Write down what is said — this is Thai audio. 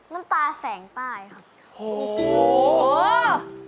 น้ำตาแสงใต้ครับ